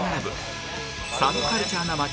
サブカルチャーな街